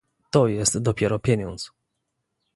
"To jest dopiero pieniądz."